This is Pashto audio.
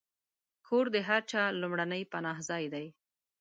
کور د هر چا لومړنی پناهځای دی.